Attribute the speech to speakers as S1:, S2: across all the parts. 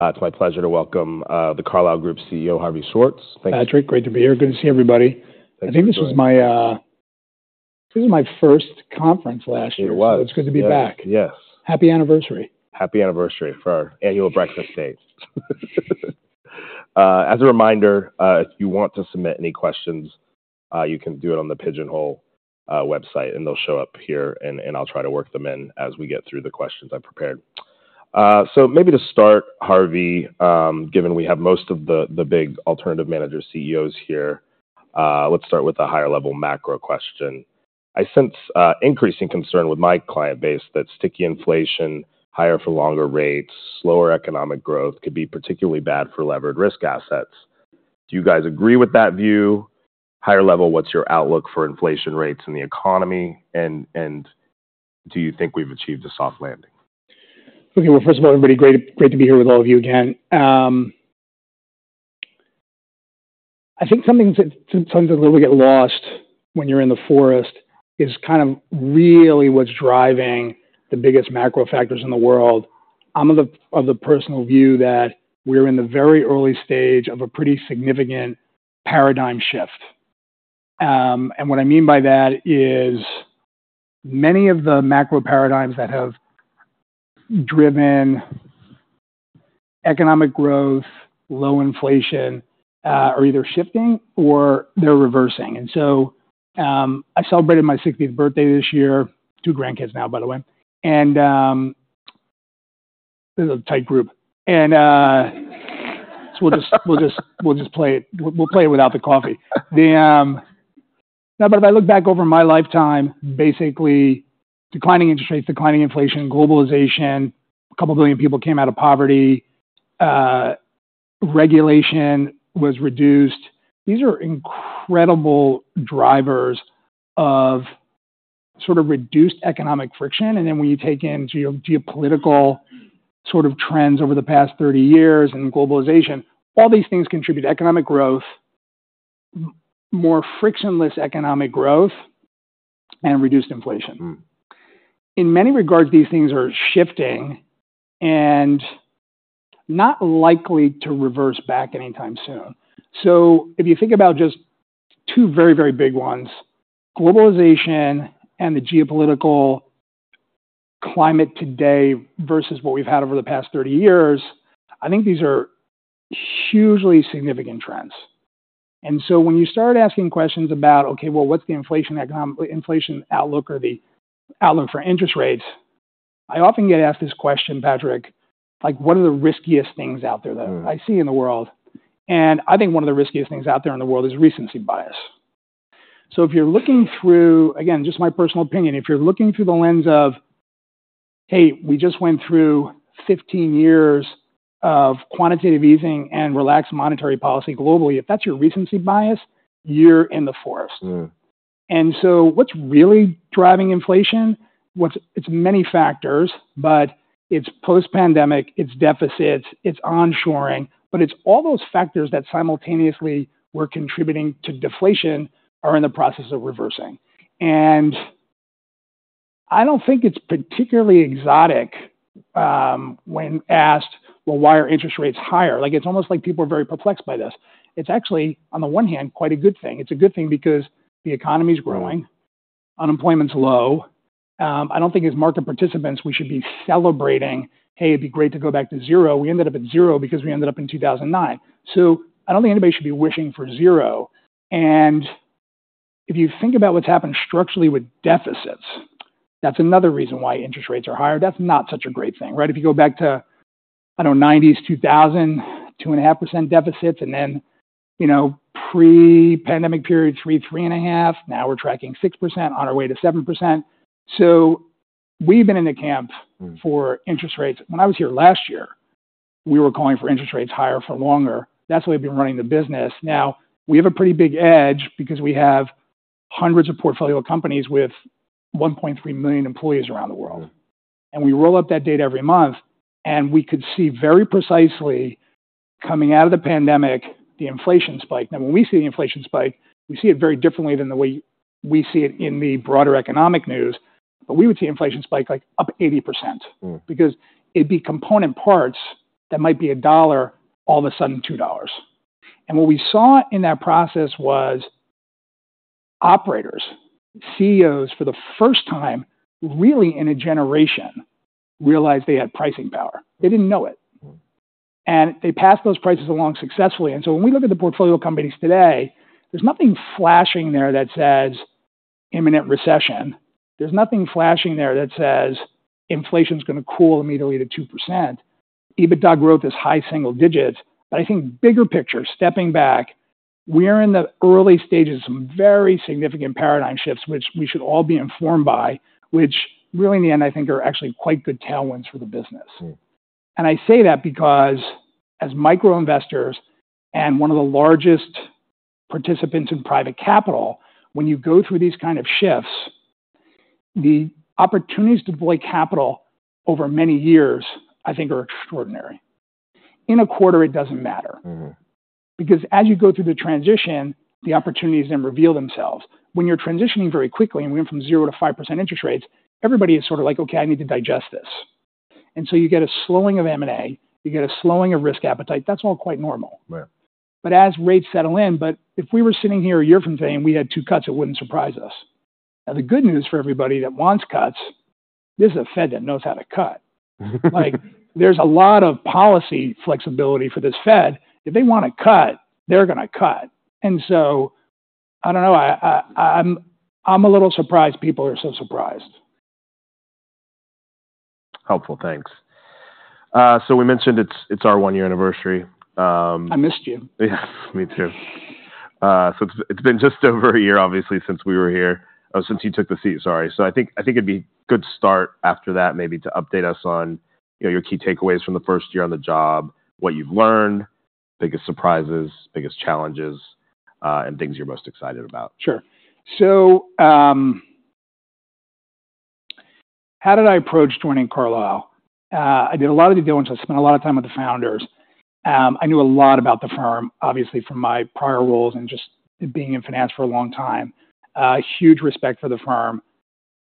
S1: It's my pleasure to welcome The Carlyle Group CEO, Harvey Schwartz.
S2: Patrick, great to be here. Good to see everybody.
S1: Thank you.
S2: I think this was my, this was my first conference last year.
S1: It was.
S2: It's good to be back.
S1: Yes.
S2: Happy anniversary.
S1: Happy anniversary for our annual breakfast date. As a reminder, if you want to submit any questions, you can do it on the Pigeonhole website, and they'll show up here and I'll try to work them in as we get through the questions I've prepared. So maybe to start, Harvey, given we have most of the big alternative manager CEOs here, let's start with a higher level macro question. I sense increasing concern with my client base that sticky inflation, higher for longer rates, slower economic growth, could be particularly bad for levered risk assets. Do you guys agree with that view? Higher level, what's your outlook for inflation rates and the economy, and do you think we've achieved a soft landing?
S2: Okay. Well, first of all, everybody, great, great to be here with all of you again. I think something that sometimes a little bit get lost when you're in the forest is kind of really what's driving the biggest macro factors in the world. I'm of the personal view that we're in the very early stage of a pretty significant paradigm shift. And what I mean by that is many of the macro paradigms that have driven economic growth, low inflation, are either shifting or they're reversing. And so, I celebrated my sixtieth birthday this year, 2 grandkids now, by the way, and... This is a tight group, and, so we'll just play it without the coffee. The... Now, but if I look back over my lifetime, basically, declining interest rates, declining inflation, globalization, a couple billion people came out of poverty, regulation was reduced. These are incredible drivers of sort of reduced economic friction, and then when you take in geopolitical sort of trends over the past 30 years and globalization, all these things contribute to economic growth, more frictionless economic growth, and reduced inflation.
S1: Mm.
S2: In many regards, these things are shifting and not likely to reverse back anytime soon. So if you think about just two very, very big ones, globalization and the geopolitical climate today versus what we've had over the past 30 years, I think these are hugely significant trends. And so when you start asking questions about, okay, well, what's the inflation, economic inflation outlook or the outlook for interest rates? I often get asked this question, Patrick, like, what are the riskiest things out there that-
S1: Mm
S2: I see in the world? And I think one of the riskiest things out there in the world is recency bias. So if you're looking through... Again, just my personal opinion, if you're looking through the lens of, "Hey, we just went through 15 years of quantitative easing and relaxed monetary policy globally," if that's your recency bias, you're in the forest.
S1: Mm.
S2: And so what's really driving inflation? It's many factors, but it's post-pandemic, it's deficits, it's onshoring, but it's all those factors that simultaneously were contributing to deflation are in the process of reversing. And I don't think it's particularly exotic when asked, well, why are interest rates higher? Like, it's almost like people are very perplexed by this. It's actually, on the one hand, quite a good thing. It's a good thing because the economy's growing.
S1: Mm...
S2: unemployment's low. I don't think as market participants, we should be celebrating, "Hey, it'd be great to go back to zero." We ended up at zero because we ended up in 2009. So I don't think anybody should be wishing for zero. And if you think about what's happened structurally with deficits, that's another reason why interest rates are higher. That's not such a great thing, right? If you go back to, I don't know, 1990s, 2000, 2.5% deficits, and then, you know, pre-pandemic period, 3%-3.5%, now we're tracking 6%, on our way to 7%. So we've been in the camp-
S1: Mm
S2: -for interest rates. When I was here last year, we were calling for interest rates higher for longer. That's the way we've been running the business. Now, we have a pretty big edge because we have hundreds of portfolio companies with 1.3 million employees around the world.
S1: Mm.
S2: We roll up that data every month, and we could see very precisely coming out of the pandemic, the inflation spike. Now, when we see the inflation spike, we see it very differently than the way we see it in the broader economic news, but we would see inflation spike, like, up 80%.
S1: Mm.
S2: Because it'd be component parts that might be $1, all of a sudden, $2. And what we saw in that process was operators, CEOs, for the first time, really in a generation, realized they had pricing power. They didn't know it.
S1: Mm-hmm.
S2: They passed those prices along successfully. So when we look at the portfolio companies today, there's nothing flashing there that says imminent recession. There's nothing flashing there that says inflation's gonna cool immediately to 2%. EBITDA growth is high single digits. I think bigger picture, stepping back, we're in the early stages of some very significant paradigm shifts, which we should all be informed by, which really, in the end, I think are actually quite good tailwinds for the business.
S1: Mm.
S2: I say that because as micro investors and one of the largest participants in private capital, when you go through these kind of shifts, the opportunities to deploy capital over many years, I think, are extraordinary. In a quarter, it doesn't matter.
S1: Mm-hmm....
S2: because as you go through the transition, the opportunities then reveal themselves. When you're transitioning very quickly, and we went from 0%-5% interest rates, everybody is sort of like, "Okay, I need to digest this." And so you get a slowing of M&A, you get a slowing of risk appetite. That's all quite normal.
S1: Right.
S2: But as rates settle in, but if we were sitting here a year from today, and we had two cuts, it wouldn't surprise us. Now, the good news for everybody that wants cuts, this is a Fed that knows how to cut. Like, there's a lot of policy flexibility for this Fed. If they wanna cut, they're gonna cut. And so I don't know, I'm a little surprised people are so surprised.
S1: Helpful. Thanks. So we mentioned it's, it's our one-year anniversary.
S2: I missed you.
S1: Yeah, me too. So it's been just over a year, obviously, since we were here, since you took the seat. Sorry. So I think it'd be a good start after that, maybe to update us on, you know, your key takeaways from the first year on the job, what you've learned, biggest surprises, biggest challenges, and things you're most excited about.
S2: Sure. So, how did I approach joining Carlyle? I did a lot of due diligence. I spent a lot of time with the founders. I knew a lot about the firm, obviously, from my prior roles and just being in finance for a long time. Huge respect for the firm.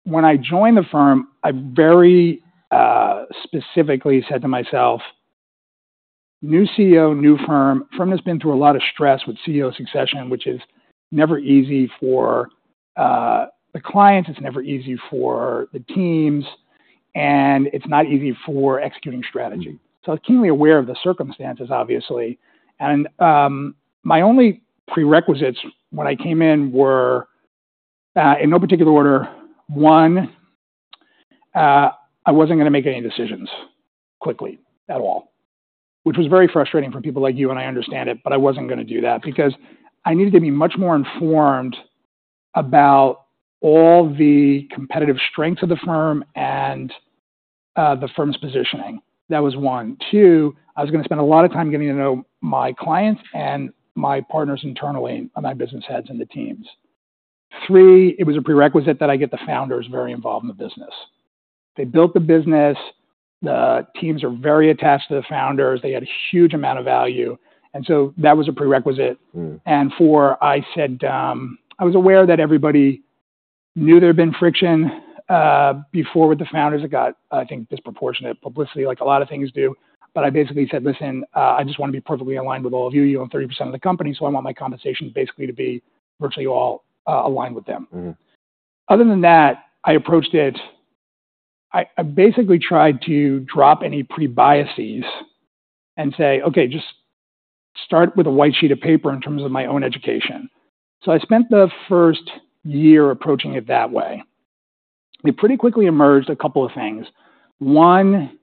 S2: When I joined the firm, I very specifically said to myself: new CEO, new firm, firm has been through a lot of stress with CEO succession, which is never easy for the clients, it's never easy for the teams, and it's not easy for executing strategy.
S1: Mm-hmm.
S2: So I was keenly aware of the circumstances, obviously, and my only prerequisites when I came in were, in no particular order, one, I wasn't gonna make any decisions quickly at all, which was very frustrating for people like you, and I understand it, but I wasn't gonna do that because I needed to be much more informed about all the competitive strengths of the firm and the firm's positioning. That was one. Two, I was gonna spend a lot of time getting to know my clients and my partners internally and my business heads and the teams. Three, it was a prerequisite that I get the founders very involved in the business. They built the business. The teams are very attached to the founders. They add a huge amount of value, and so that was a prerequisite.
S1: Mm.
S2: And four, I said, I was aware that everybody knew there had been friction before with the founders. It got, I think, disproportionate publicity, like a lot of things do. But I basically said, "Listen, I just wanna be perfectly aligned with all of you. You own 30% of the company, so I want my compensation basically to be virtually all aligned with them.
S1: Mm-hmm.
S2: Other than that, I approached it—I basically tried to drop any pre-biases and say, "Okay, just start with a white sheet of paper in terms of my own education." So I spent the first year approaching it that way. It pretty quickly emerged a couple of things. One,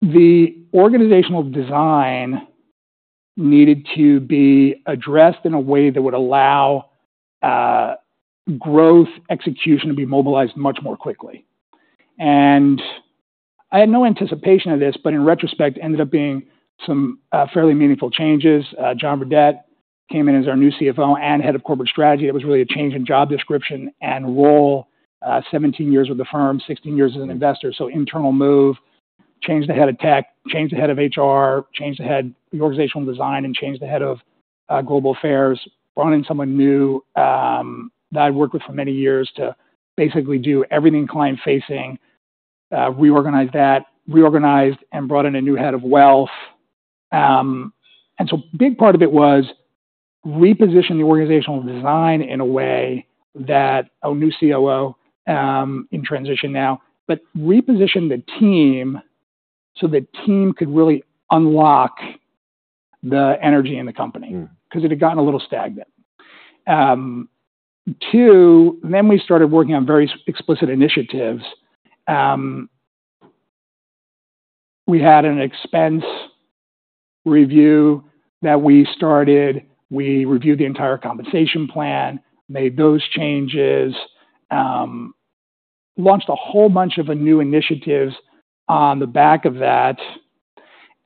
S2: the organizational design needed to be addressed in a way that would allow growth, execution to be mobilized much more quickly. And I had no anticipation of this, but in retrospect, ended up being some fairly meaningful changes. John Redett came in as our new CFO and Head of Corporate Strategy. It was really a change in job description and role, 17 years with the firm, 16 years as an investor.
S1: Mm.
S2: So internal move, changed the Head of Tech, changed the Head of HR, changed the organizational design, and changed the Head of Global Affairs. Brought in someone new that I'd worked with for many years, to basically do everything client-facing, reorganized that. Reorganized and brought in a new Head of Wealth. And so a big part of it was reposition the organizational design in a way that a new COO in transition now. But reposition the team so the team could really unlock the energy in the company-
S1: Mm.
S2: 'cause it had gotten a little stagnant. Two, then we started working on various explicit initiatives. We had an expense review that we started. We reviewed the entire compensation plan, made those changes, launched a whole bunch of new initiatives on the back of that,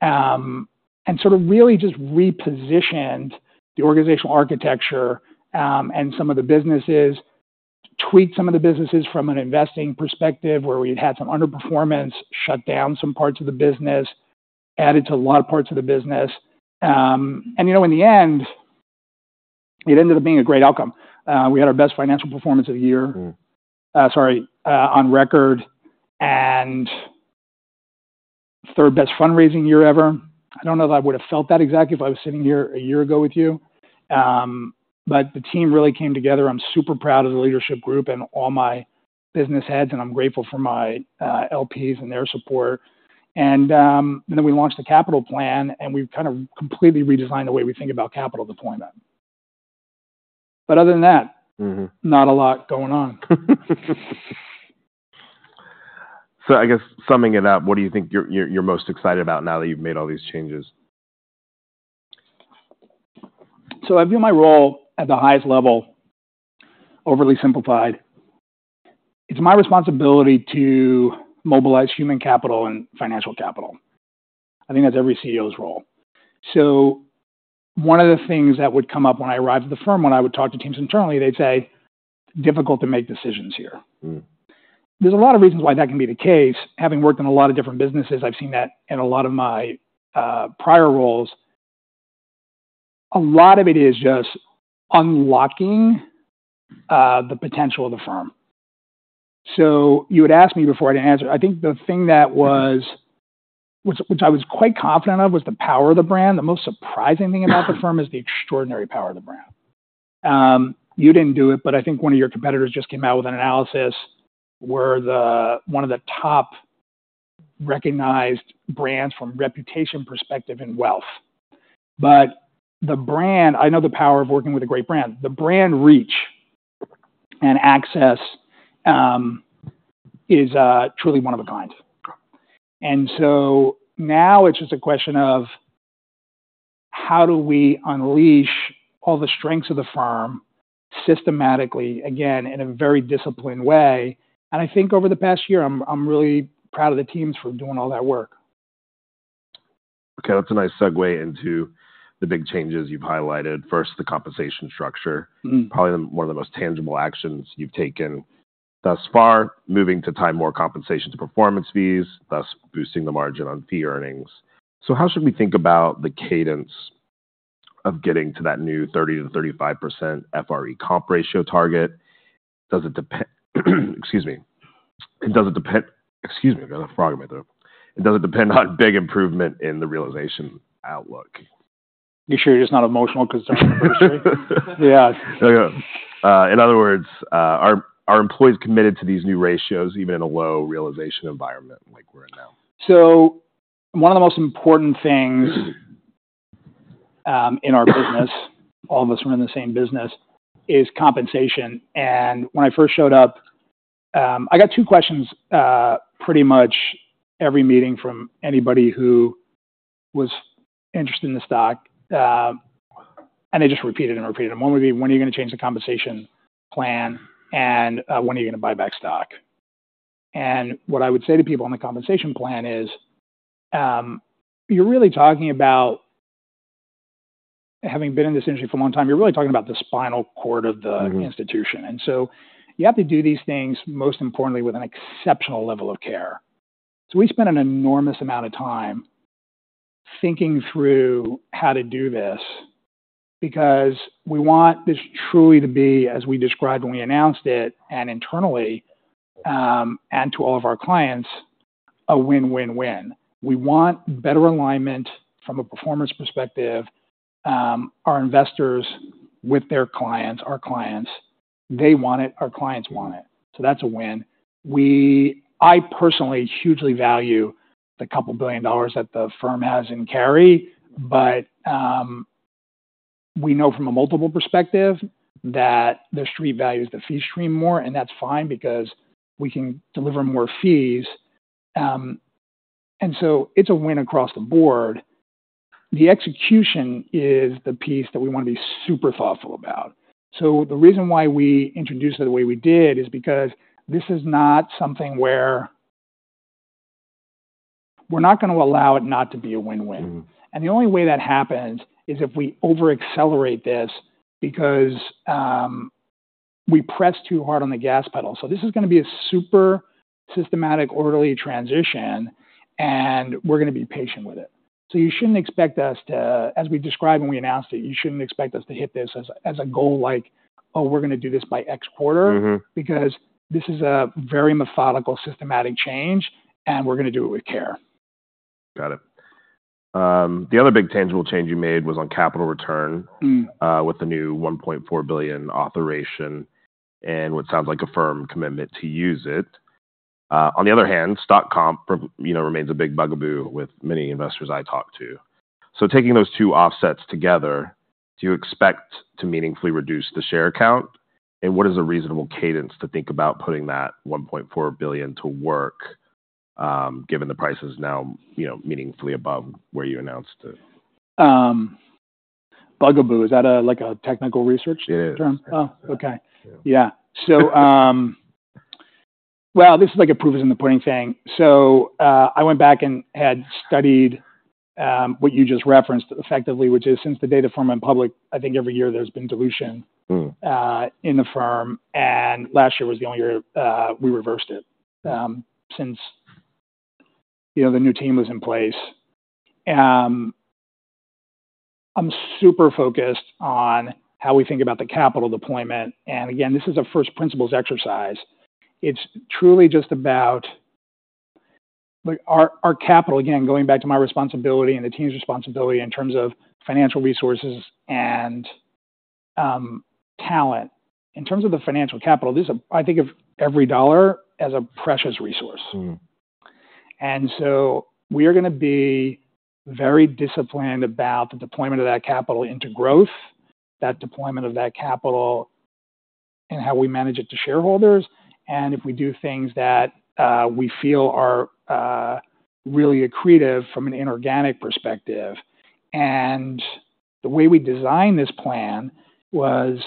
S2: and sort of really just repositioned the organizational architecture, and some of the businesses, tweaked some of the businesses from an investing perspective, where we'd had some underperformance, shut down some parts of the business, added to a lot of parts of the business. And, you know, in the end, it ended up being a great outcome. We had our best financial performance of the year-
S1: Mm.
S2: Sorry, on record, and third best fundraising year ever. I don't know if I would have felt that exactly if I was sitting here a year ago with you. But the team really came together. I'm super proud of the leadership group and all my business heads, and I'm grateful for my LPs and their support. And, and then we launched the capital plan, and we've kind of completely redesigned the way we think about capital deployment. But other than that-
S1: Mm-hmm.
S2: - not a lot going on.
S1: So I guess summing it up, what do you think you're most excited about now that you've made all these changes?
S2: So I view my role at the highest level, overly simplified: it's my responsibility to mobilize human capital and financial capital. I think that's every CEO's role. So, one of the things that would come up when I arrived at the firm, when I would talk to teams internally, they'd say, "Difficult to make decisions here.
S1: Mm.
S2: There's a lot of reasons why that can be the case. Having worked in a lot of different businesses, I've seen that in a lot of my prior roles. A lot of it is just unlocking the potential of the firm. So you had asked me before, I didn't answer. I think the thing which I was quite confident of was the power of the brand. The most surprising thing about the firm is the extraordinary power of the brand. You didn't do it, but I think one of your competitors just came out with an analysis where one of the top recognized brands from reputation perspective and wealth. But the brand... I know the power of working with a great brand. The brand reach and access is truly one of a kind. So now it's just a question of: how do we unleash all the strengths of the firm systematically, again, in a very disciplined way? And I think over the past year, I'm really proud of the teams for doing all that work.
S1: Okay. That's a nice segue into the big changes you've highlighted. First, the compensation structure-
S2: Mm.
S1: Probably one of the most tangible actions you've taken thus far, moving to tie more compensation to performance fees, thus boosting the margin on fee earnings. So how should we think about the cadence of getting to that new 30%-35% FRE comp ratio target? Does it depend— Excuse me. Does it depend— Excuse me, I got a frog in my throat. Does it depend on big improvement in the realization outlook?
S2: You sure you're just not emotional 'cause...? Yeah.
S1: In other words, are employees committed to these new ratios, even in a low realization environment like we're in now?
S2: So one of the most important things, in our business, all of us run the same business, is compensation. And when I first showed up, I got two questions, pretty much every meeting from anybody who was interested in the stock, and they just repeated and repeated them. One would be, "When are you gonna change the compensation plan, and, when are you gonna buy back stock?" And what I would say to people on the compensation plan is, you're really talking about... Having been in this industry for a long time, you're really talking about the spinal cord of the-
S1: Mm-hmm...
S2: institution, and so you have to do these things, most importantly, with an exceptional level of care. So we spent an enormous amount of time thinking through how to do this, because we want this truly to be, as we described when we announced it, and internally, and to all of our clients, a win-win-win. We want better alignment from a performance perspective. Our investors with their clients, our clients, they want it, our clients want it, so that's a win. We - I personally hugely value the $2 billion that the firm has in carry, but, we know from a multiple perspective that the street values the fee stream more, and that's fine because we can deliver more fees. And so it's a win across the board. The execution is the piece that we wanna be super thoughtful about. So the reason why we introduced it the way we did is because this is not something where... We're not gonna allow it not to be a win-win.
S1: Mm.
S2: And the only way that happens is if we over-accelerate this because we press too hard on the gas pedal. So this is gonna be a super systematic, orderly transition, and we're gonna be patient with it. So you shouldn't expect us to, as we described when we announced it, you shouldn't expect us to hit this as a, as a goal, like, "Oh, we're gonna do this by X quarter.
S1: Mm-hmm.
S2: Because this is a very methodical, systematic change, and we're gonna do it with care.
S1: Got it. The other big tangible change you made was on capital return-
S2: Mm...
S1: with the new $1.4 billion authorization and what sounds like a firm commitment to use it. On the other hand, stock comp, you know, remains a big bugaboo with many investors I talk to. So taking those two offsets together, do you expect to meaningfully reduce the share count? And what is a reasonable cadence to think about putting that $1.4 billion to work, given the price is now, you know, meaningfully above where you announced it?
S2: Bugaboo, is that a, like a technical research?
S1: It is
S2: Term? Oh, okay.
S1: Yeah.
S2: Yeah. So, well, this is like a proof is in the pudding thing. So, I went back and had studied what you just referenced effectively, which is since the data firm went public, I think every year there's been dilution-
S1: Mm...
S2: in the firm, and last year was the only year we reversed it, since you know, the new team was in place. I'm super focused on how we think about the capital deployment, and again, this is a first principles exercise. It's truly just about like our capital, again, going back to my responsibility and the team's responsibility in terms of financial resources and talent. In terms of the financial capital, this is a I think of every dollar as a precious resource.
S1: Mm.
S2: And so we are gonna be very disciplined about the deployment of that capital into growth, that deployment of that capital and how we manage it to shareholders, and if we do things that we feel are really accretive from an inorganic perspective. And the way we designed this plan was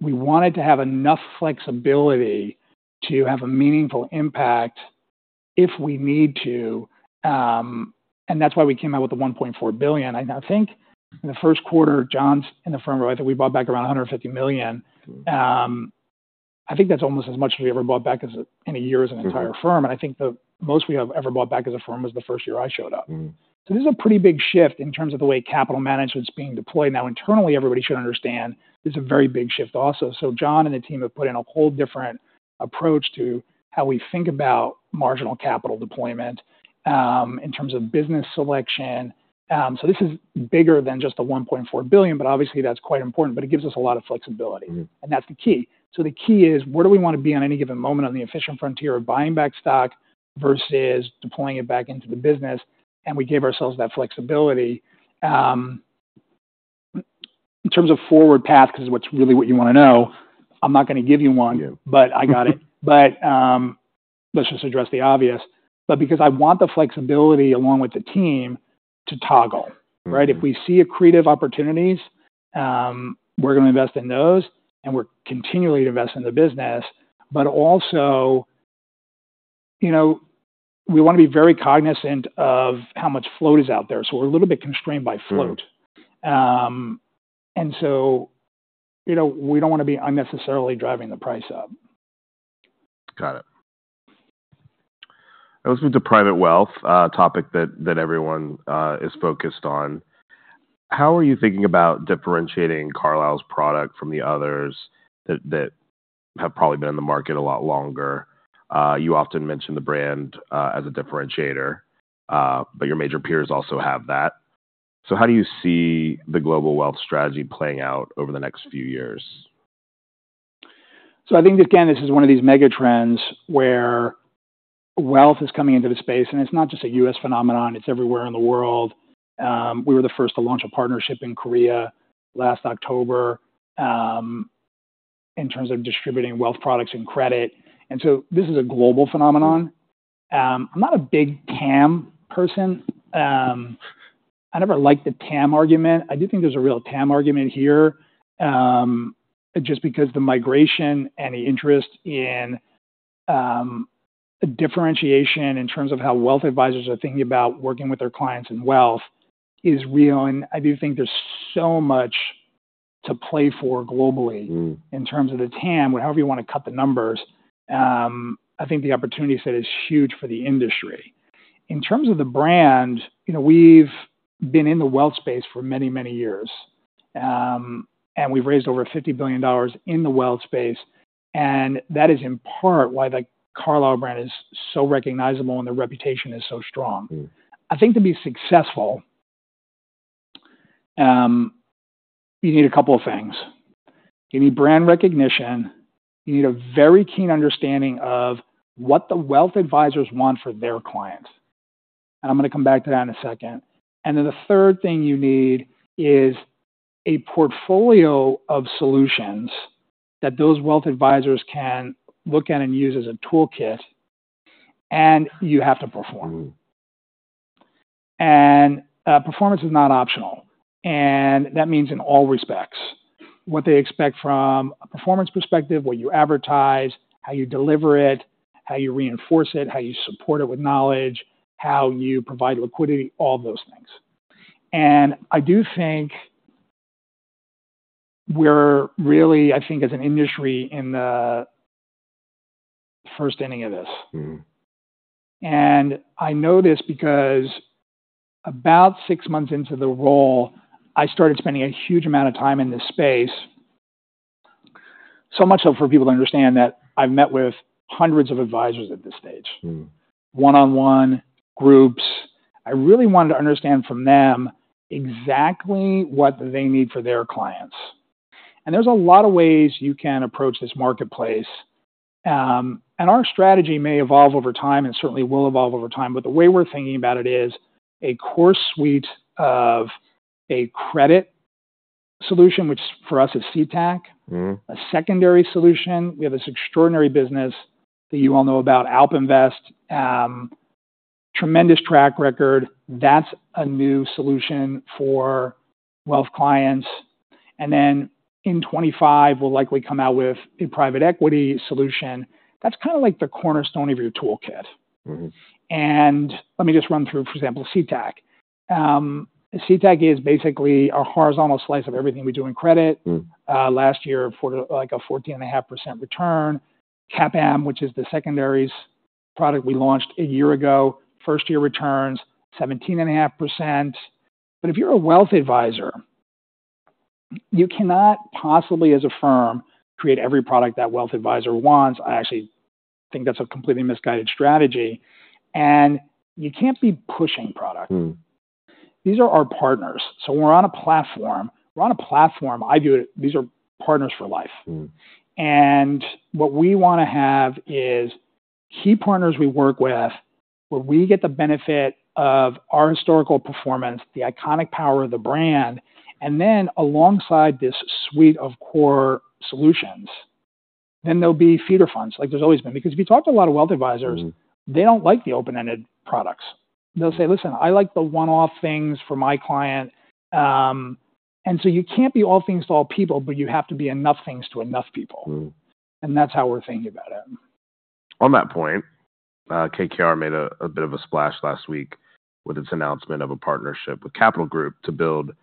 S2: we wanted to have enough flexibility to have a meaningful impact if we need to, and that's why we came out with the $1.4 billion. And I think in the first quarter, John's in the firm, right, that we bought back around $150 million. I think that's almost as much as we ever bought back in a year as an entire firm.
S1: Mm-hmm.
S2: I think the most we have ever bought back as a firm was the first year I showed up.
S1: Mm-hmm.
S2: So this is a pretty big shift in terms of the way capital management is being deployed. Now, internally, everybody should understand this is a very big shift also. So John and the team have put in a whole different approach to how we think about marginal capital deployment, in terms of business selection. So this is bigger than just the $1.4 billion, but obviously that's quite important, but it gives us a lot of flexibility.
S1: Mm-hmm.
S2: That's the key. So the key is, where do we wanna be on any given moment on the efficient frontier of buying back stock versus deploying it back into the business? We gave ourselves that flexibility. In terms of forward path, because what's really what you wanna know, I'm not gonna give you one.
S1: Yeah.
S2: But I got it. But, let's just address the obvious. But because I want the flexibility along with the team to toggle, right?
S1: Mm-hmm.
S2: If we see accretive opportunities, we're gonna invest in those, and we're continually invest in the business. But also, you know, we wanna be very cognizant of how much float is out there, so we're a little bit constrained by float.
S1: Mm-hmm.
S2: And so, you know, we don't wanna be unnecessarily driving the price up.
S1: Got it. Let's move to private wealth, topic that everyone is focused on. How are you thinking about differentiating Carlyle's product from the others that have probably been in the market a lot longer? You often mention the brand as a differentiator, but your major peers also have that. So how do you see the global wealth strategy playing out over the next few years?
S2: So I think, again, this is one of these mega trends where wealth is coming into the space, and it's not just a U.S. phenomenon, it's everywhere in the world. We were the first to launch a partnership in Korea last October, in terms of distributing wealth products and credit. And so this is a global phenomenon.
S1: Mm-hmm.
S2: I'm not a big TAM person. I never liked the TAM argument. I do think there's a real TAM argument here, just because the migration and the interest in, differentiation in terms of how wealth advisors are thinking about working with their clients in wealth is real, and I do think there's so much to play for globally-
S1: Mm-hmm
S2: In terms of the TAM or however you wanna cut the numbers. I think the opportunity set is huge for the industry. In terms of the brand, you know, we've been in the wealth space for many, many years, and we've raised over $50 billion in the wealth space, and that is in part why the Carlyle brand is so recognizable and the reputation is so strong.
S1: Mm-hmm.
S2: I think to be successful, you need a couple of things. You need brand recognition, you need a very keen understanding of what the wealth advisors want for their clients, and I'm gonna come back to that in a second. Then the third thing you need is a portfolio of solutions that those wealth advisors can look at and use as a toolkit, and you have to perform.
S1: Mm-hmm.
S2: Performance is not optional, and that means in all respects. What they expect from a performance perspective, what you advertise, how you deliver it, how you reinforce it, how you support it with knowledge, how you provide liquidity, all those things. And I do think we're really, I think, as an industry, in the first inning of this.
S1: Mm-hmm.
S2: I know this because about six months into the role, I started spending a huge amount of time in this space. So much so for people to understand that I've met with hundreds of advisors at this stage.
S1: Mm-hmm.
S2: One-on-one, groups. I really wanted to understand from them exactly what they need for their clients. And there's a lot of ways you can approach this marketplace. And our strategy may evolve over time, and certainly will evolve over time, but the way we're thinking about it is a core suite of a credit solution, which for us is CTAC.
S1: Mm-hmm.
S2: A secondary solution. We have this extraordinary business that you all know about, AlpInvest. Tremendous track record. That's a new solution for wealth clients. And then in 25, we'll likely come out with a private equity solution. That's kinda like the cornerstone of your toolkit.
S1: Mm-hmm.
S2: Let me just run through, for example, CTAC. CTAC is basically a horizontal slice of everything we do in credit.
S1: Mm-hmm.
S2: Last year, for like a 14.5% return. CAPM, which is the secondaries product we launched a year ago, first year returns 17.5%. But if you're a wealth advisor, you cannot possibly, as a firm, create every product that wealth advisor wants. I actually think that's a completely misguided strategy, and you can't be pushing product.
S1: Mm-hmm.
S2: These are our partners. So we're on a platform. We're on a platform... I view it, these are partners for life.
S1: Mm-hmm.
S2: And what we wanna have is key partners we work with, where we get the benefit of our historical performance, the iconic power of the brand, and then alongside this suite of core solutions, then there'll be feeder funds, like there's always been. Because if you talk to a lot of wealth advisors.
S1: Mm.
S2: They don't like the open-ended products. They'll say, "Listen, I like the one-off things for my client." And so you can't be all things to all people, but you have to be enough things to enough people.
S1: Mm.
S2: That's how we're thinking about it.
S1: On that point, KKR made a bit of a splash last week with its announcement of a partnership with Capital Group to build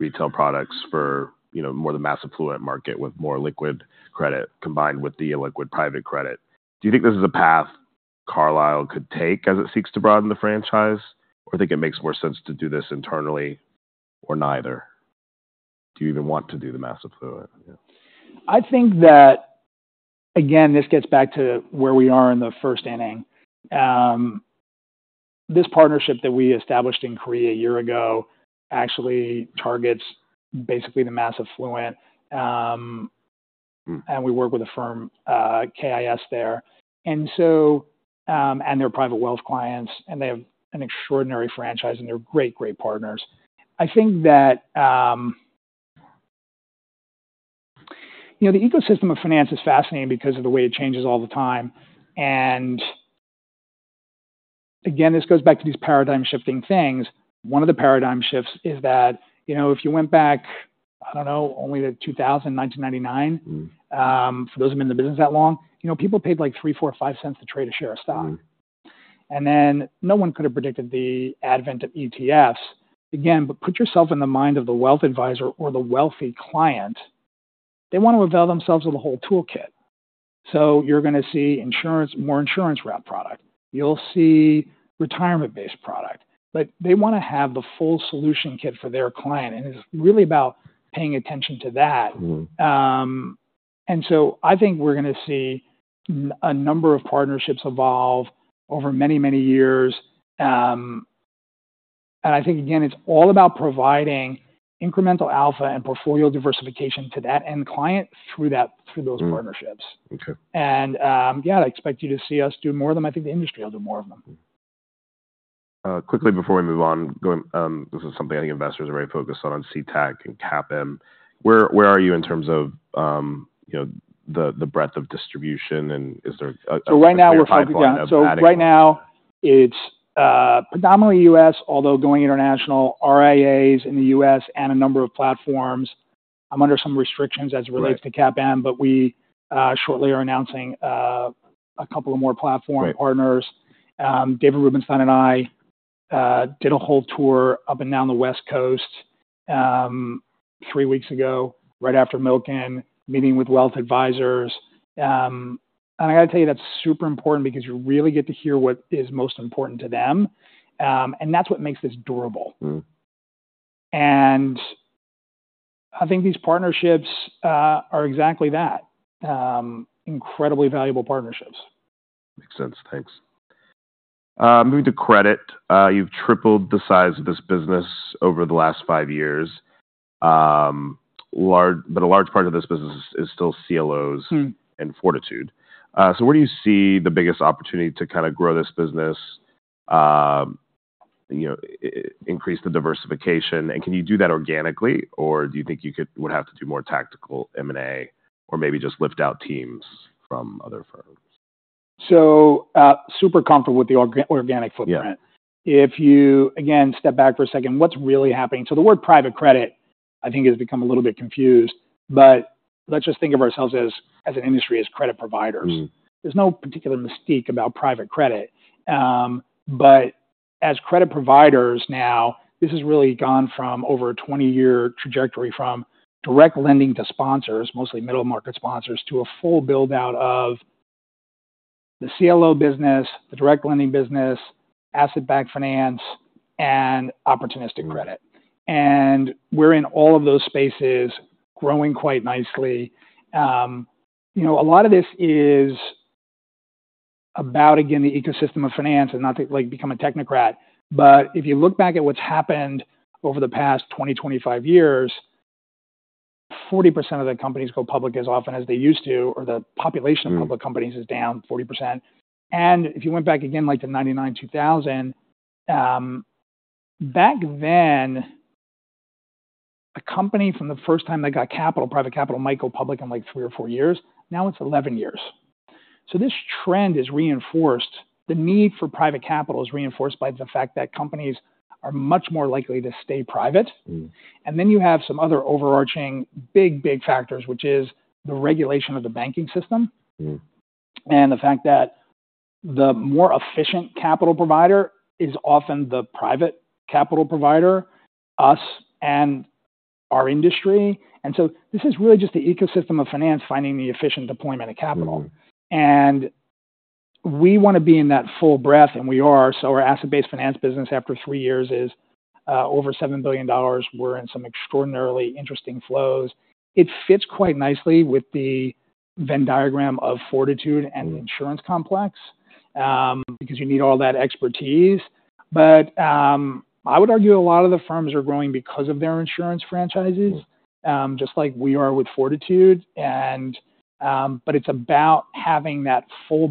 S1: retail products for, you know, more the mass affluent market with more liquid credit, combined with the illiquid private credit. Do you think this is a path Carlyle could take as it seeks to broaden the franchise? Or think it makes more sense to do this internally, or neither? Do you even want to do the mass affluent? Yeah.
S2: I think that, again, this gets back to where we are in the first inning. This partnership that we established in Korea a year ago actually targets basically the mass affluent.
S1: Mm.
S2: And we work with a firm, KIS there. And so, and they're private wealth clients, and they have an extraordinary franchise, and they're great, great partners. I think that... You know, the ecosystem of finance is fascinating because of the way it changes all the time. And again, this goes back to these paradigm-shifting things. One of the paradigm shifts is that, you know, if you went back, I don't know, only to 2000, 1999-
S1: Mm.
S2: For those of us in the business that long, you know, people paid, like, 3, 4, or 5 cents to trade a share of stock.
S1: Mm.
S2: Then no one could have predicted the advent of ETFs. Again, but put yourself in the mind of the wealth advisor or the wealthy client. They want to avail themselves of the whole toolkit. So you're gonna see insurance, more insurance wrap product. You'll see retirement-based product. But they wanna have the full solution kit for their client, and it's really about paying attention to that.
S1: Mm.
S2: So I think we're gonna see a number of partnerships evolve over many, many years. I think, again, it's all about providing incremental alpha and portfolio diversification to that end client through those partnerships.
S1: Mm. Okay.
S2: Yeah, I expect you to see us do more of them. I think the industry will do more of them.
S1: Quickly, before we move on, this is something I think investors are very focused on, CTAC and CAPM. Where are you in terms of, you know, the breadth of distribution, and is there a clear pipeline of-
S2: So right now we're focused, yeah. So right now, it's predominantly U.S., although going international, RIAs in the U.S. and a number of platforms. I'm under some restrictions as it relates-
S1: Right...
S2: to CAPM, but we shortly are announcing a couple of more platform partners.
S1: Great.
S2: David Rubenstein and I did a whole tour up and down the West Coast, three weeks ago, right after Milken, meeting with wealth advisors. And I gotta tell you, that's super important because you really get to hear what is most important to them, and that's what makes this durable.
S1: Mm.
S2: I think these partnerships are exactly that, incredibly valuable partnerships.
S1: Makes sense. Thanks. Moving to credit, you've tripled the size of this business over the last five years. A large part of this business is still CLOs-
S2: Mm...
S1: and Fortitude. So where do you see the biggest opportunity to kind of grow this business, you know, increase the diversification? And can you do that organically, or do you think you could - would have to do more tactical M&A, or maybe just lift out teams from other firms?
S2: So, super comfortable with the organic footprint.
S1: Yeah.
S2: If you, again, step back for a second, what's really happening? So the word private credit, I think, has become a little bit confused, but let's just think of ourselves as, as an industry, as credit providers.
S1: Mm.
S2: There's no particular mystique about private credit. But as credit providers now, this has really gone from over a 20-year trajectory from direct lending to sponsors, mostly middle-market sponsors, to a full build-out of the CLO business, the direct lending business, asset-backed finance, and opportunistic credit.
S1: Mm.
S2: We're in all of those spaces, growing quite nicely. You know, a lot of this is about, again, the ecosystem of finance and not to, like, become a technocrat. But if you look back at what's happened over the past 20-25 years, 40% of the companies go public as often as they used to, or the population-
S1: Mm...
S2: of public companies is down 40%. And if you went back again, like to 1999, 2000, back then, a company from the first time they got capital, private capital, might go public in, like, 3 or 4 years. Now, it's 11 years. So this trend is reinforced. The need for private capital is reinforced by the fact that companies are much more likely to stay private.
S1: Mm.
S2: Then you have some other overarching big, big factors, which is the regulation of the banking system.
S1: Mm...
S2: and the fact that the more efficient capital provider is often the private capital provider, us and our industry. And so this is really just the ecosystem of finance finding the efficient deployment of capital.
S1: Mm.
S2: We wanna be in that full breadth, and we are. Our asset-based finance business, after three years, is over $7 billion. We're in some extraordinarily interesting flows. It fits quite nicely with the Venn diagram of Fortitude-
S1: Mm...
S2: and the insurance complex, because you need all that expertise. But, I would argue a lot of the firms are growing because of their insurance franchises-
S1: Mm...
S2: just like we are with Fortitude. And, but it's about having that full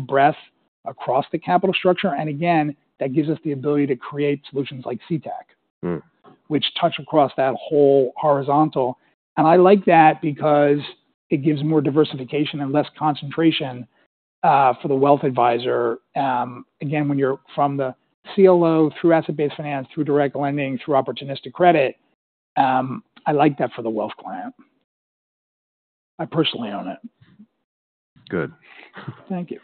S2: breadth across the capital structure. And again, that gives us the ability to create solutions like CTAC... which touch across that whole horizontal. And I like that because it gives more diversification and less concentration, for the wealth advisor. Again, when you're from the CLO through asset-based finance, through direct lending, through opportunistic credit, I like that for the wealth client. I personally own it.
S1: Good.
S2: Thank you.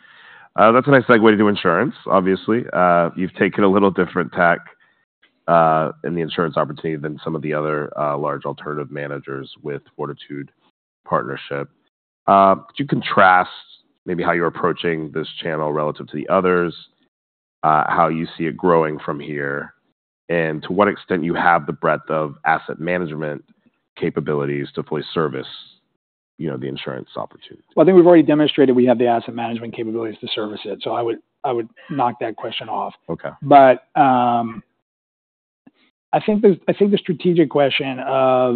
S1: That's a nice segue to insurance, obviously. You've taken a little different tack in the insurance opportunity than some of the other large alternative managers with Fortitude partnership. Could you contrast maybe how you're approaching this channel relative to the others, how you see it growing from here, and to what extent you have the breadth of asset management capabilities to fully service, you know, the insurance opportunity?
S2: Well, I think we've already demonstrated we have the asset management capabilities to service it, so I would, I would knock that question off.
S1: Okay.
S2: But, I think the, I think the strategic question of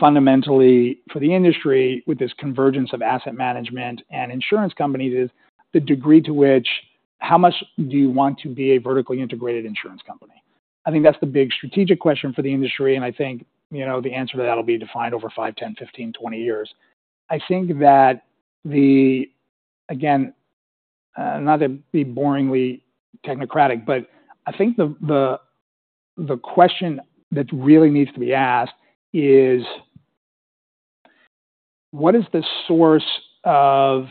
S2: fundamentally for the industry, with this convergence of asset management and insurance companies, is the degree to which how much do you want to be a vertically integrated insurance company? I think that's the big strategic question for the industry, and I think, you know, the answer to that will be defined over 5, 10, 15, 20 years. I think that the... Again, not to be boringly technocratic, but I think the, the, the question that really needs to be asked is: what is the source of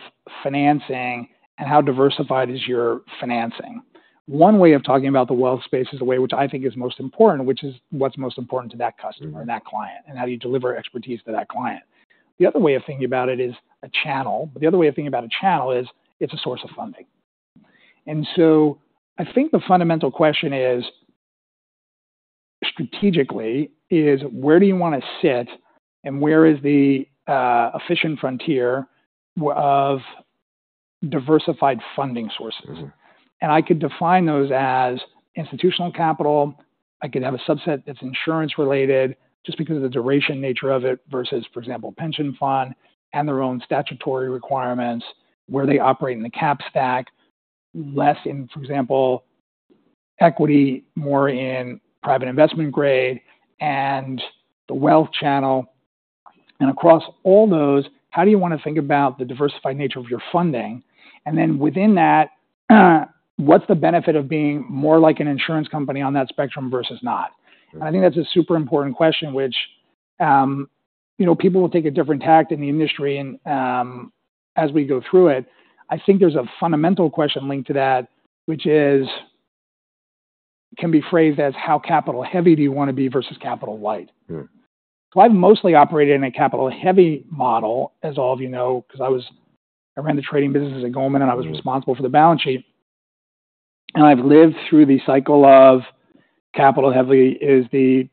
S2: financing, and how diversified is your financing? One way of talking about the wealth space is the way which I think is most important, which is what's most important to that customer-
S1: Mm-hmm
S2: and that client, and how do you deliver expertise to that client. The other way of thinking about it is a channel. But the other way of thinking about a channel is it's a source of funding. And so I think the fundamental question is, strategically, is where do you want to sit, and where is the efficient frontier of diversified funding sources?
S1: Mm-hmm.
S2: I could define those as institutional capital. I could have a subset that's insurance-related just because of the duration nature of it, versus, for example, pension fund and their own statutory requirements, where they operate in the cap stack. Less in, for example, equity, more in private investment grade and the wealth channel. And across all those, how do you want to think about the diversified nature of your funding? And then within that, what's the benefit of being more like an insurance company on that spectrum versus not?
S1: Right.
S2: I think that's a super important question, which, you know, people will take a different tack in the industry. As we go through it, I think there's a fundamental question linked to that, which is, can be phrased as: how capital-heavy do you want to be versus capital light?
S1: Hmm.
S2: I've mostly operated in a capital-heavy model, as all of you know, 'cause I ran the trading business at Goldman Sachs.
S1: Mm-hmm.
S2: And I was responsible for the balance sheet. And I've lived through the cycle of capital heavy is the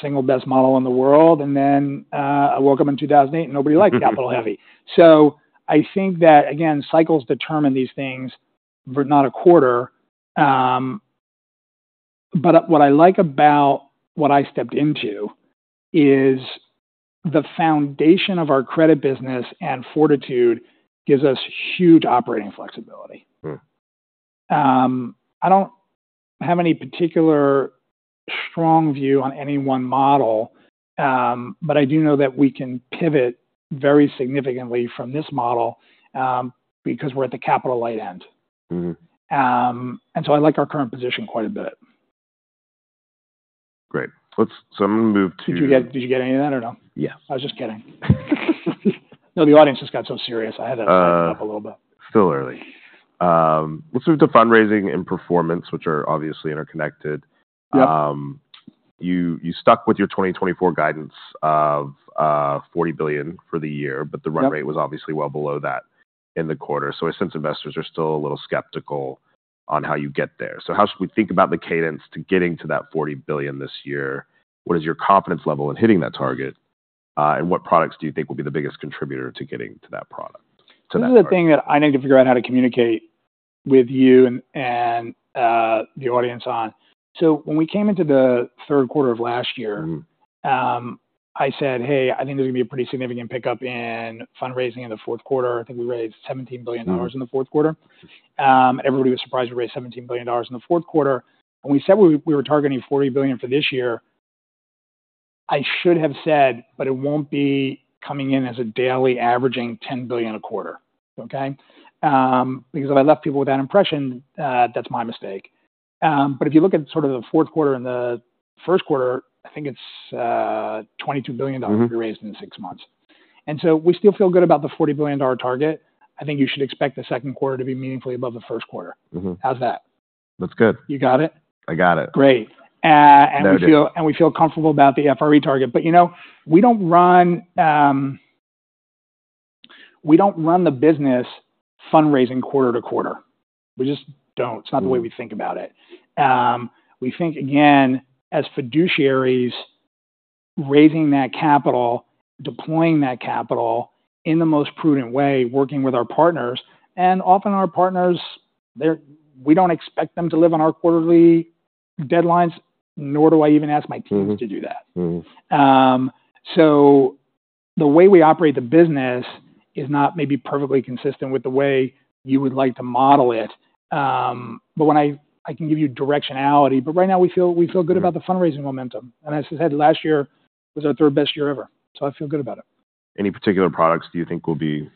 S2: single best model in the world, and then I woke up in 2008, and nobody liked capital heavy. So I think that, again, cycles determine these things, but not a quarter. But what I like about what I stepped into is the foundation of our credit business, and Fortitude gives us huge operating flexibility.
S1: Hmm.
S2: I don't have any particular strong view on any one model, but I do know that we can pivot very significantly from this model, because we're at the capital light end.
S1: Mm-hmm.
S2: So I like our current position quite a bit.
S1: Great. So I'm gonna move to-
S2: Did you get, did you get any of that or no?
S1: Yes.
S2: I was just kidding. No, the audience just got so serious. I had to lighten it up a little bit.
S1: Still early. Let's move to fundraising and performance, which are obviously interconnected.
S2: Yep.
S1: You stuck with your 2024 guidance of $40 billion for the year-
S2: Yep...
S1: but the run rate was obviously well below that in the quarter. So I sense investors are still a little skeptical on how you get there. So how should we think about the cadence to getting to that $40 billion this year? What is your confidence level in hitting that target? And what products do you think will be the biggest contributor to getting to that target?
S2: This is the thing that I need to figure out how to communicate with you and the audience on. When we came into the third quarter of last year.
S1: Mm-hmm...
S2: I said: Hey, I think there's gonna be a pretty significant pickup in fundraising in the fourth quarter. I think we raised $17 billion-
S1: Mm
S2: in the fourth quarter. Everybody was surprised we raised $17 billion in the fourth quarter. When we said we were targeting $40 billion for this year, I should have said, "But it won't be coming in as a daily averaging $10 billion a quarter." Okay? Because if I left people with that impression, that's my mistake. But if you look at sort of the fourth quarter and the first quarter, I think it's $22 billion-
S1: Mm-hmm
S2: We raised in six months. And so we still feel good about the $40 billion target. I think you should expect the second quarter to be meaningfully above the first quarter.
S1: Mm-hmm.
S2: How's that?
S1: That's good.
S2: You got it?
S1: I got it.
S2: Great. Uh-
S1: Very good...
S2: and we feel comfortable about the FRE target, but, you know, we don't run the business fundraising quarter to quarter. We just don't.
S1: Mm.
S2: It's not the way we think about it. We think, again, as fiduciaries, raising that capital, deploying that capital in the most prudent way, working with our partners. And often our partners, they're - we don't expect them to live on our quarterly deadlines, nor do I even ask my teams-
S1: Mm-hmm...
S2: to do that.
S1: Mm-hmm.
S2: The way we operate the business is not maybe perfectly consistent with the way you would like to model it. But I can give you directionality. But right now we feel good about the fundraising momentum. And as I said, last year was our third best year ever, so I feel good about it.
S1: Any particular products do you think will be,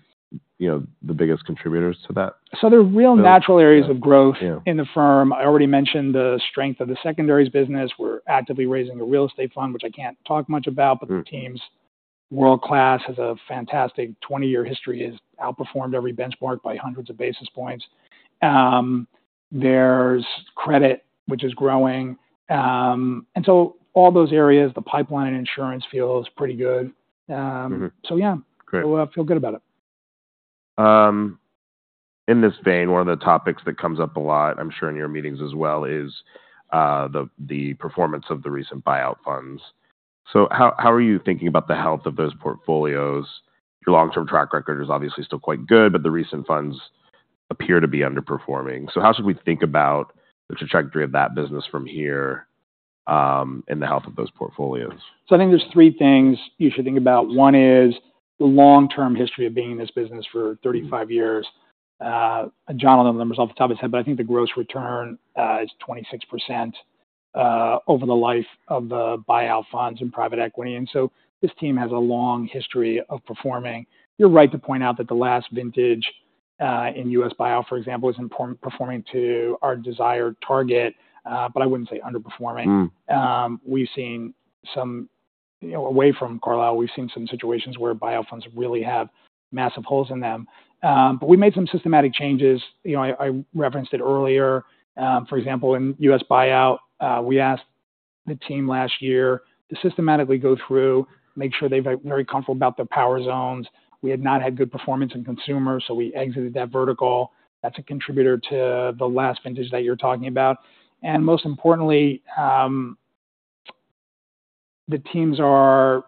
S1: you know, the biggest contributors to that?
S2: So there are real natural areas of growth-
S1: Yeah
S2: -in the firm. I already mentioned the strength of the secondaries business. We're actively raising a real estate fund, which I can't talk much about-
S1: Mm.
S2: But the team's world-class, has a fantastic 20-year history, has outperformed every benchmark by hundreds of basis points. There's credit, which is growing. And so all those areas, the pipeline insurance feel is pretty good.
S1: Mm-hmm.
S2: So yeah.
S1: Great.
S2: I feel good about it.
S1: In this vein, one of the topics that comes up a lot, I'm sure in your meetings as well, is the performance of the recent buyout funds. So how are you thinking about the health of those portfolios? Your long-term track record is obviously still quite good, but the recent funds appear to be underperforming. So how should we think about the trajectory of that business from here, and the health of those portfolios?
S2: So I think there's three things you should think about. One is the long-term history of being in this business for 35 years. And Jonathan remembers off the top of his head, but I think the gross return is 26% over the life of the buyout funds and private equity. And so this team has a long history of performing. You're right to point out that the last vintage in U.S. buyout, for example, is importantly performing to our desired target, but I wouldn't say underperforming.
S1: Mm.
S2: We've seen some... You know, away from Carlyle, we've seen some situations where buyout funds really have massive holes in them. But we made some systematic changes. You know, I, I referenced it earlier. For example, in U.S. buyout, we asked the team last year to systematically go through, make sure they're very comfortable about the power zones. We had not had good performance in consumers, so we exited that vertical. That's a contributor to the last vintage that you're talking about. And most importantly, the teams are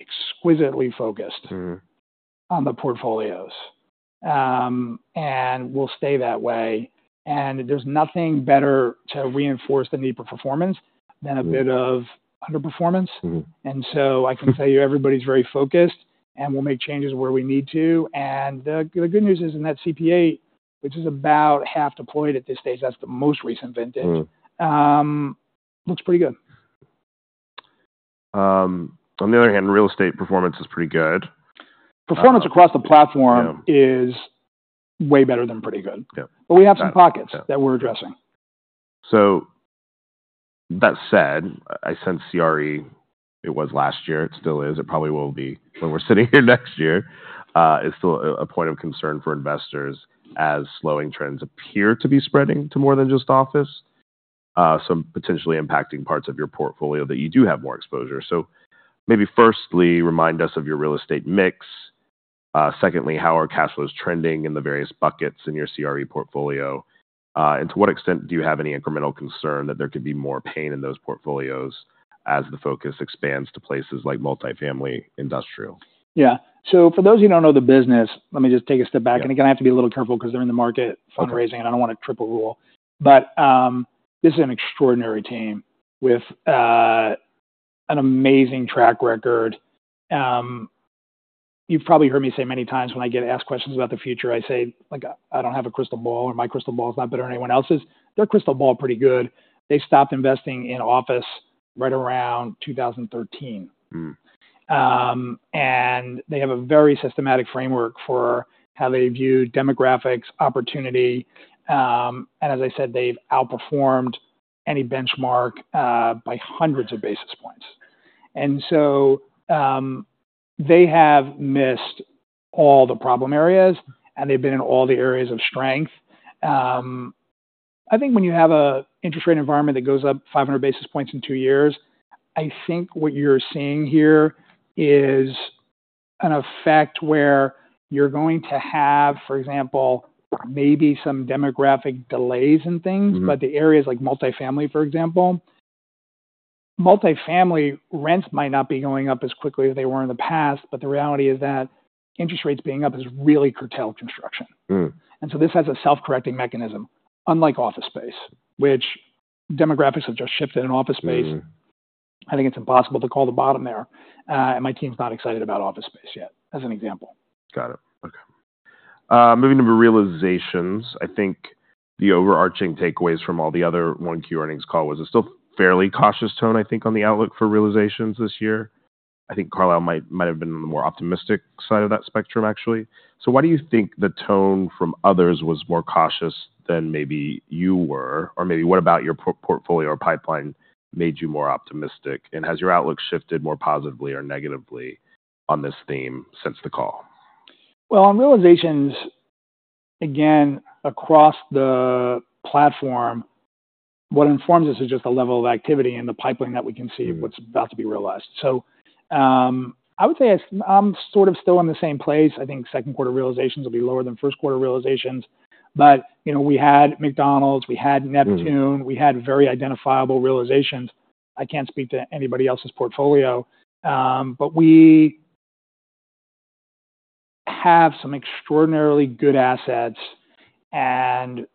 S2: exquisitely focused-
S1: Mm...
S2: on the portfolios. Will stay that way. There's nothing better to reinforce the need for performance than a bit of underperformance.
S1: Mm-hmm.
S2: And so I can tell you, everybody's very focused, and we'll make changes where we need to. The good news is, in that CPA, which is about half deployed at this stage, that's the most recent vintage.
S1: Mm...
S2: looks pretty good.
S1: On the other hand, real estate performance is pretty good.
S2: Performance across the platform.
S1: Yeah...
S2: is way better than pretty good.
S1: Yeah.
S2: But we have some pockets-
S1: Yeah
S2: that we're addressing.
S1: So that said, I sense CRE. It was last year, it still is, it probably will be when we're sitting here next year, is still a point of concern for investors as slowing trends appear to be spreading to more than just office, some potentially impacting parts of your portfolio that you do have more exposure. So maybe firstly, remind us of your real estate mix. Secondly, how are cash flows trending in the various buckets in your CRE portfolio? And to what extent do you have any incremental concern that there could be more pain in those portfolios as the focus expands to places like multifamily, industrial?
S2: Yeah. For those who don't know the business, let me just take a step back.
S1: Yeah.
S2: And again, I have to be a little careful 'cause they're in the market-
S1: Okay
S2: -fundraising, and I don't wanna trip a rule. But, this is an extraordinary team with, an amazing track record. You've probably heard me say many times when I get asked questions about the future, I say, like, I don't have a crystal ball or my crystal ball is not better than anyone else's. Their crystal ball pretty good. They stopped investing in office right around 2013.
S1: Mm.
S2: And they have a very systematic framework for how they view demographics, opportunity, and as I said, they've outperformed any benchmark by hundreds of basis points. And so, they have missed all the problem areas, and they've been in all the areas of strength. I think when you have an interest rate environment that goes up 500 basis points in 2 years, I think what you're seeing here is an effect where you're going to have, for example, maybe some demographic delays in things.
S1: Mm-hmm.
S2: But the areas like multifamily, for example, multifamily rents might not be going up as quickly as they were in the past, but the reality is that interest rates being up has really curtailed construction.
S1: Mm.
S2: And so this has a self-correcting mechanism, unlike office space, which demographics have just shifted in office space.
S1: Mm.
S2: I think it's impossible to call the bottom there, and my team's not excited about office space yet, as an example.
S1: Got it. Okay. Moving to realizations, I think the overarching takeaways from all the other Q1 earnings call was a still fairly cautious tone, I think, on the outlook for realizations this year. I think Carlyle might, might have been on the more optimistic side of that spectrum, actually. So why do you think the tone from others was more cautious than maybe you were? Or maybe what about your portfolio or pipeline made you more optimistic? And has your outlook shifted more positively or negatively on this theme since the call?
S2: Well, on realizations, again, across the platform, what informs us is just the level of activity and the pipeline that we can see-
S1: Mm
S2: -what's about to be realized. So, I would say I'm sort of still in the same place. I think second quarter realizations will be lower than first quarter realizations. But, you know, we had McDonald's, we had Neptune-
S1: Mm.
S2: we had very identifiable realizations. I can't speak to anybody else's portfolio, but we have some extraordinarily good assets, and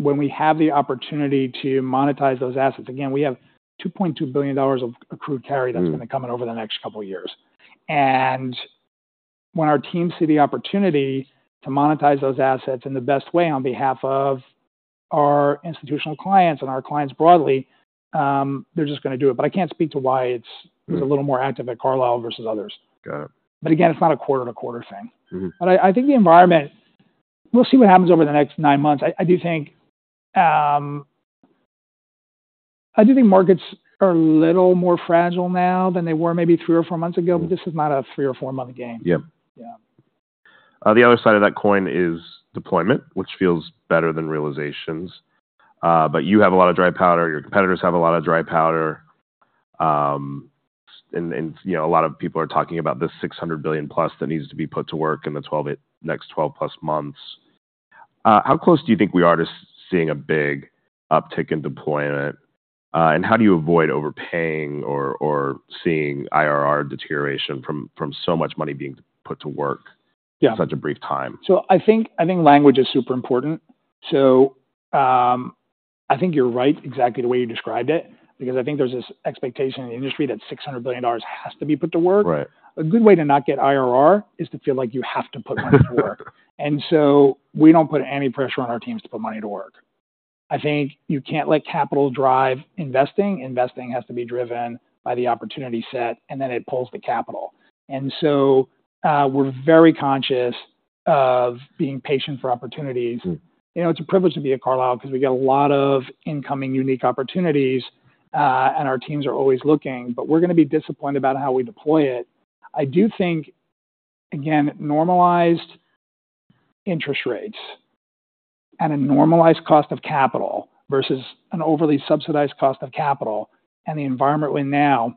S2: when we have the opportunity to monetize those assets, again, we have $2.2 billion of accrued carry that's gonna come in over the next couple of years. And when our teams see the opportunity to monetize those assets in the best way on behalf of our institutional clients and our clients broadly, they're just gonna do it. But I can't speak to why it's-
S1: Mm.
S2: A little more active at Carlyle versus others.
S1: Got it.
S2: But again, it's not a quarter-to-quarter thing.
S1: Mm-hmm.
S2: But I think the environment, we'll see what happens over the next nine months. I do think markets are a little more fragile now than they were maybe three or four months ago, but this is not a three or four-month game.
S1: Yeah.
S2: Yeah.
S1: The other side of that coin is deployment, which feels better than realizations. But you have a lot of dry powder, your competitors have a lot of dry powder, and, you know, a lot of people are talking about this $600 billion+ that needs to be put to work in the next 12+ months. How close do you think we are to seeing a big uptick in deployment? And how do you avoid overpaying or seeing IRR deterioration from so much money being put to work?
S2: Yeah
S1: in such a brief time?
S2: I think, I think language is super important. So, I think you're right exactly the way you described it, because I think there's this expectation in the industry that $600 billion has to be put to work.
S1: Right.
S2: A good way to not get IRR is to feel like you have to put money to work. And so we don't put any pressure on our teams to put money to work. I think you can't let capital drive investing. Investing has to be driven by the opportunity set, and then it pulls the capital. And so, we're very conscious of being patient for opportunities.
S1: Mm.
S2: You know, it's a privilege to be at Carlyle because we get a lot of incoming unique opportunities, and our teams are always looking, but we're gonna be disciplined about how we deploy it. I do think, again, normalized interest rates and a normalized cost of capital versus an overly subsidized cost of capital and the environment we're in now,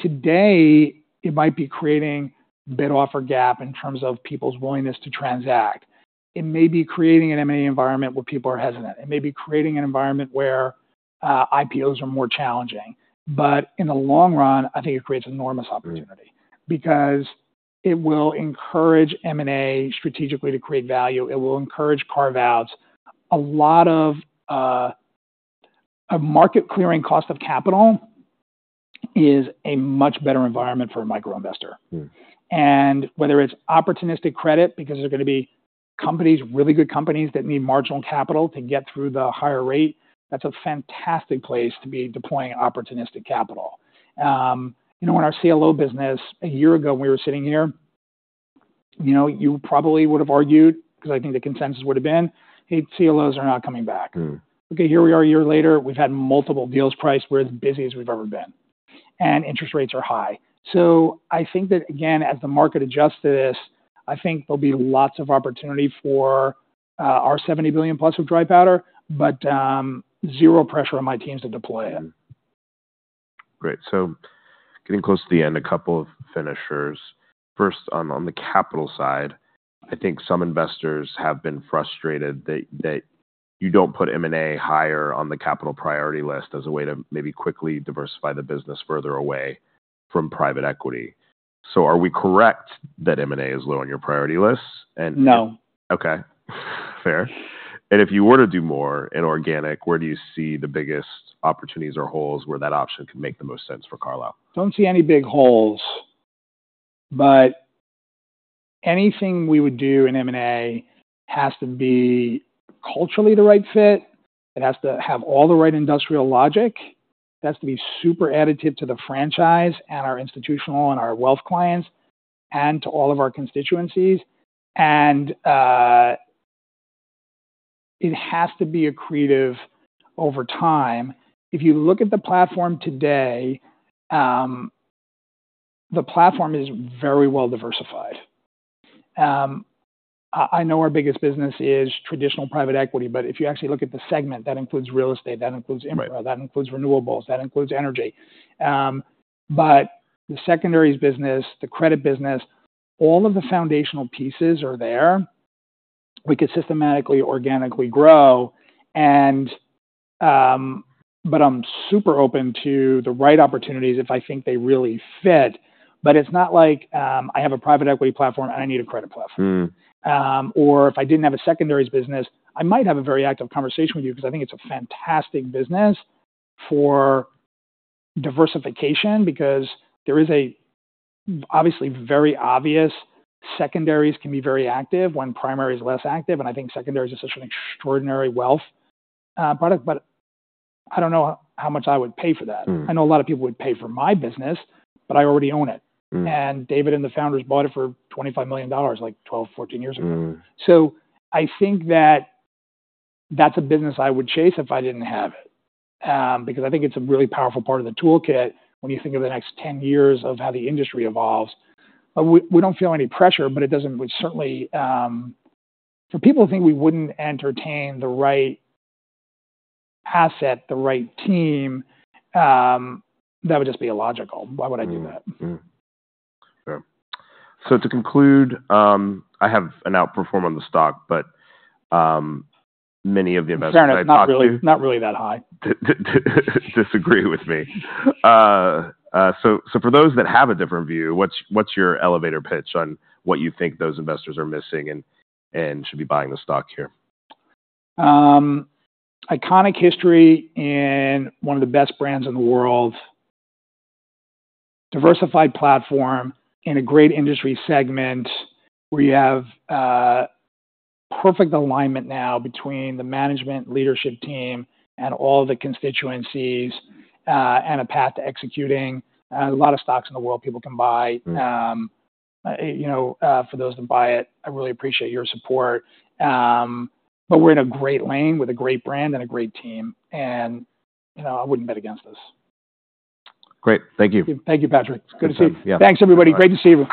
S2: today, it might be creating a bid-offer gap in terms of people's willingness to transact. It may be creating an M&A environment where people are hesitant. It may be creating an environment where IPOs are more challenging. But in the long run, I think it creates enormous opportunity-
S1: Mm...
S2: because it will encourage M&A strategically to create value. It will encourage carve-outs. A lot of, a market clearing cost of capital is a much better environment for a micro investor.
S1: Mm.
S2: Whether it's opportunistic credit, because there are gonna be companies, really good companies, that need marginal capital to get through the higher rate, that's a fantastic place to be deploying opportunistic capital. You know, when our CLO business a year ago, we were sitting here, you know, you probably would have argued, because I think the consensus would have been, "Hey, CLOs are not coming back.
S1: Mm.
S2: Okay, here we are, a year later, we've had multiple deals priced. We're as busy as we've ever been, and interest rates are high. So I think that, again, as the market adjusts to this, I think there'll be lots of opportunity for our $70 billion+ of dry powder, but zero pressure on my teams to deploy it.
S1: Great. So getting close to the end, a couple of finishers. First, on the capital side, I think some investors have been frustrated that you don't put M&A higher on the capital priority list as a way to maybe quickly diversify the business further away from private equity. So are we correct that M&A is low on your priority list? And-
S2: No.
S1: Okay. Fair. And if you were to do more inorganic, where do you see the biggest opportunities or holes where that option could make the most sense for Carlyle?
S2: Don't see any big holes, but anything we would do in M&A has to be culturally the right fit. It has to have all the right industrial logic. It has to be super additive to the franchise and our institutional and our wealth clients, and to all of our constituencies. And it has to be accretive over time. If you look at the platform today, the platform is very well diversified. I know our biggest business is traditional private equity, but if you actually look at the segment, that includes real estate, that includes infrastructure, that includes renewables, that includes energy. But the secondaries business, the credit business, all of the foundational pieces are there. We could systematically, organically grow, and... But I'm super open to the right opportunities if I think they really fit. But it's not like, I have a private equity platform, and I need a credit platform.
S1: Mm.
S2: or if I didn't have a secondaries business, I might have a very active conversation with you, because I think it's a fantastic business for diversification, because there is a obviously very obvious, secondaries can be very active when primary is less active, and I think secondaries is such an extraordinary wealth product, but I don't know how much I would pay for that.
S1: Mm.
S2: I know a lot of people would pay for my business, but I already own it.
S1: Mm.
S2: David and the founders bought it for $25 million, like 12-14 years ago.
S1: Mm.
S2: So I think that that's a business I would chase if I didn't have it, because I think it's a really powerful part of the toolkit when you think of the next 10 years of how the industry evolves. But we, we don't feel any pressure, but it doesn't - we certainly, for people to think we wouldn't entertain the right asset, the right team, that would just be illogical. Why would I do that?
S1: Mm-hmm. Mm. Fair. So to conclude, I have an Outperform on the stock, but, many of the investors-
S2: In fairness, not really, not really that high....
S1: disagree with me. So for those that have a different view, what's your elevator pitch on what you think those investors are missing and should be buying the stock here?
S2: Iconic history and one of the best brands in the world. Diversified platform in a great industry segment, where you have perfect alignment now between the management leadership team and all the constituencies, and a path to executing. A lot of stocks in the world people can buy.
S1: Mm.
S2: You know, for those that buy it, I really appreciate your support. But we're in a great lane with a great brand and a great team, and, you know, I wouldn't bet against us.
S1: Great. Thank you.
S2: Thank you, Patrick. It's good to see you.
S1: Yeah.
S2: Thanks, everybody. Great to see you.